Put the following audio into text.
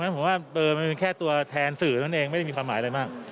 ผมว่ามันเป็นแค่ตัวแทนสื่อนั่นเองไม่ได้มีความหมายอะไรมาก